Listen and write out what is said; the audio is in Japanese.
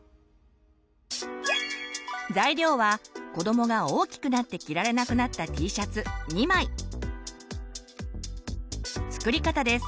材料はこどもが大きくなって着られなくなった作り方です。